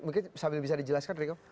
mungkin sambil bisa dijelaskan riko